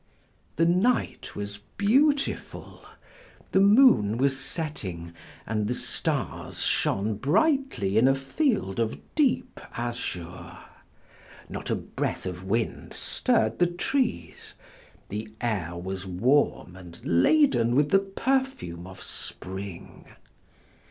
The night was beautiful; the moon was setting and the stars shone brightly in a field of deep azure. Not a breath of wind stirred the trees; the air was warm and laden with the perfume of spring.